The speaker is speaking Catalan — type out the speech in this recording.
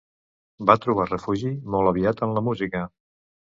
Va trobar refugi molt aviat en la música.